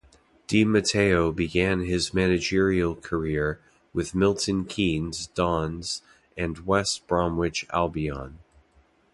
Di Matteo began his managerial career with Milton Keynes Dons and West Bromwich Albion.